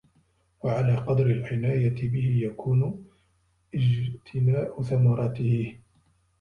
وَعَلَى قَدْرِ الْعِنَايَةِ بِهِ يَكُونُ اجْتِنَاءُ ثَمَرَتِهِ